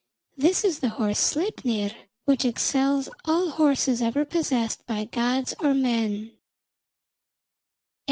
This is the horse Sleipnir, which excels all horses ever possessed by gods or men."